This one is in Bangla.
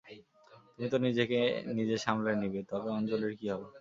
তুমি তো নিজেকে নিজে সামলে নিবে, তবে অঞ্জলীর কী হবে?